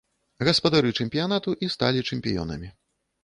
Гаспадары чэмпіянату і сталі чэмпіёнамі.